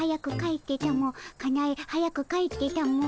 かなえ早く帰ってたも。